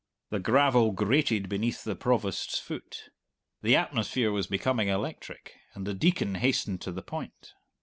The gravel grated beneath the Provost's foot. The atmosphere was becoming electric, and the Deacon hastened to the point.